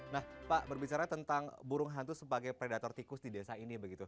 nah pak berbicara tentang burung hantu sebagai predator tikus di desa ini begitu